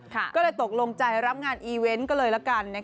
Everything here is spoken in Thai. ก็เลยตกลงใจรับงานอีเวนต์ก็เลยละกัน